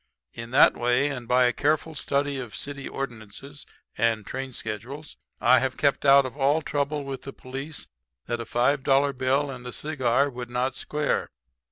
In that way and by a careful study of city ordinances and train schedules I have kept out of all trouble with the police that a five dollar bill and a cigar could not square.